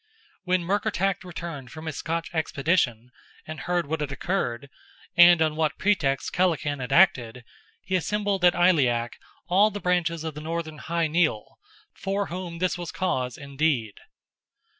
When Murkertach returned from his Scotch expedition, and heard what had occurred, and on what pretext Kellachan had acted, he assembled at Aileach all the branches of the Northern Hy Nial, for whom this was cause, indeed.